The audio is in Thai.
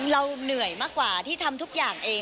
เราเหนื่อยมากกว่าที่ทำทุกอย่างเอง